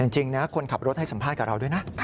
จริงนะคนขับรถให้สัมภาษณ์กับเราด้วยนะ